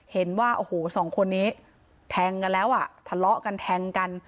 เห็นว่าโอ้โหสองคนนี้แทงกันแล้วอ่ะทะเลาะกันแทงกัน